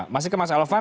masih ke mas alvan